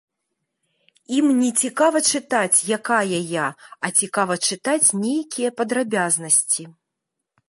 Ім не цікава чытаць, якая я, а цікава чытаць нейкія падрабязнасці.